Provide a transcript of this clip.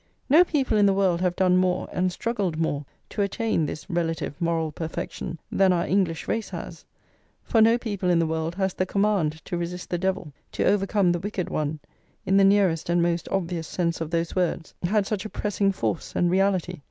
No people in the world have done more and struggled more to attain this relative moral perfection than our English race has; for no people in the world has the command to resist the Devil, to overcome the Wicked One, in the nearest and most obvious sense of those words, had such a pressing force and reality.